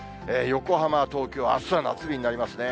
横浜、東京、あすは夏日になりますね。